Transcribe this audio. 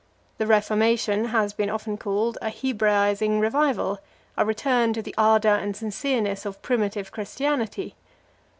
The Reformation has been often called a Hebraising revival, a return to the ardour and sincereness of primitive Christianity.